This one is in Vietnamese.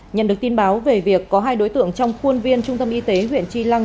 nhận được tin báo về việc có hai đối tượng trong khuôn viên trung tâm y tế huyện tri lăng